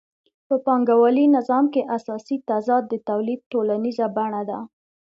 په پانګوالي نظام کې اساسي تضاد د تولید ټولنیزه بڼه ده